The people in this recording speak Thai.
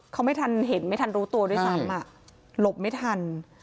เขาไม่ทันเห็นไม่ทันรู้ตัวด้วยซ้ำหลบไม่ทัน